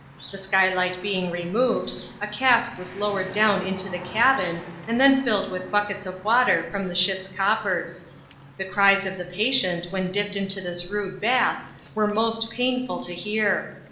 Th( skylight being removed, a cask was lowered down into tb cabin, and then filled with buckets of water from the ship's cop pers. The cries of the patient, when dipped into this rude ba^ were most painful to hear.